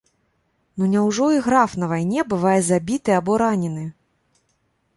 Ну няўжо і граф на вайне бывае забіты або ранены?